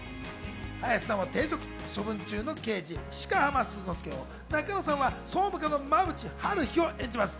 林さんは停職処分中の刑事・鹿浜鈴之介を、仲野さんは総務課の馬淵悠日を演じます。